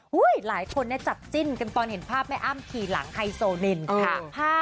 หลายคนจับจิ้นกันตอนเห็นภาพแม่อ้ำขี่หลังไฮโซนินค่ะ